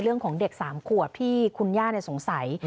เรื่องของเด็ก๓ขวบที่คุณย่าสงสัย